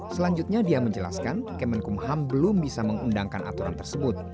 selanjutnya dia menjelaskan kemenkumham belum bisa mengundangkan aturan tersebut